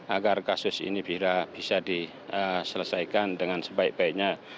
agar kasus ini bisa diselesaikan dengan sebaik baiknya